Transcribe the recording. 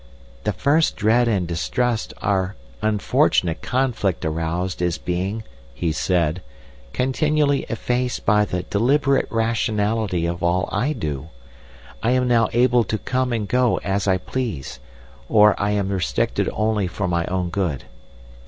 "The first dread and distrust our unfortunate conflict aroused is being," he said, "continually effaced by the deliberate rationality of all I do.... I am now able to come and go as I please, or I am restricted only for my own good.